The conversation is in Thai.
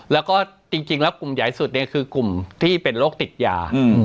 แล้วก็จริงแล้วกลุ่มใหญ่สุดเนี่ยคือกลุ่มที่เป็นโรคติดยา